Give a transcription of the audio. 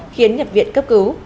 khiến nhập viện cấp cứu